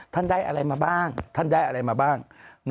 ท่านได้อะไรมาบ้างท่านได้อะไรมาบ้าง